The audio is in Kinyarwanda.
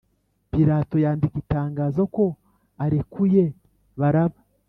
Pilato yandika itangazo ko arekuye baraba